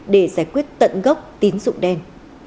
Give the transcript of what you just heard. để giải quyết tận gốc tín dụng đen